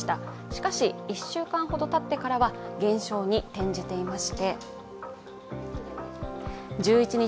しかし、１週間ほどたってからは減少に転じています。